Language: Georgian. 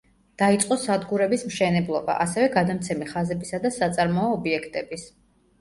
დაიწყო სადგურების მშენებლობა, ასევე გადამცემი ხაზებისა და საწარმოო ობიექტების.